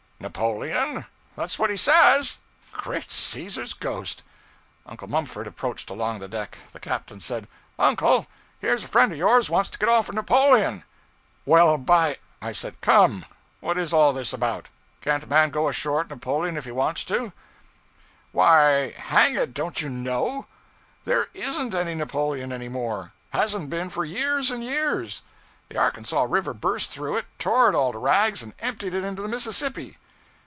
'Napoleon?' 'That's what he says.' 'Great Caesar's ghost!' Uncle Mumford approached along the deck. The captain said 'Uncle, here's a friend of yours wants to get off at Napoleon!' 'Well, by ?' I said 'Come, what is all this about? Can't a man go ashore at Napoleon if he wants to?' 'Why, hang it, don't you know? There isn't any Napoleon any more. Hasn't been for years and years. The Arkansas River burst through it, tore it all to rags, and emptied it into the Mississippi!'